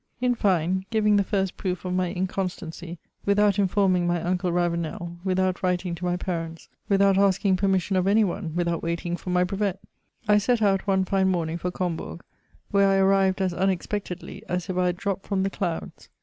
In fine, giving the first proof of my inconstancy, without informing my unde Ravenel, without writing to my parents, vnthout ask ing permission of any one, without waiting for my brev^, I sat out one €ne morning for Combourg, where I Arrived ae imexpectectiy as if I had dropped from the clouds.